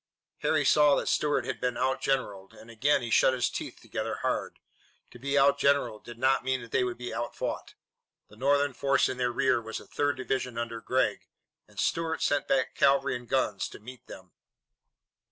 Harry saw that Stuart had been outgeneralled, and again he shut his teeth together hard. To be outgeneralled did not mean that they would be outfought. The Northern force in their rear was the third division under Gregg, and Stuart sent back cavalry and guns to meet them.